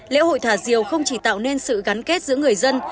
lễ hội thả diều không chỉ tạo nên sự gắn kết giữa người dân